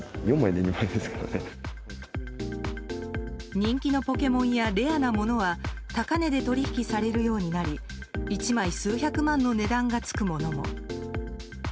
人気のポケモンやレアなものは高値で取引されるようになり１枚数百万の値段が付くものも。